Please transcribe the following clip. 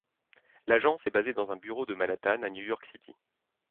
L'agence est basée dans un bureau de Manhattan à New York City.